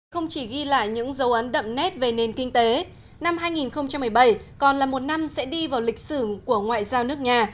không chỉ ghi lại những dấu ấn đậm nét về nền kinh tế năm hai nghìn một mươi bảy còn là một năm sẽ đi vào lịch sử của ngoại giao nước nhà